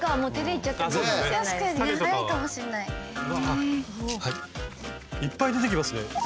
いっぱい出てきますね。